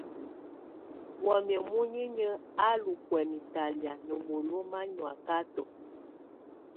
Wamɛ̀á munyinyǝ á lù kwɛ̀mɛ talɛ̀á ná molo ma nyɔakatɔ.